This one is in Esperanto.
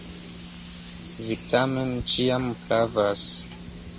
Vi, tamen, ĉiam pravas.